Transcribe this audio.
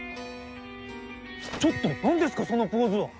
ちょっと何ですかそのポーズは！？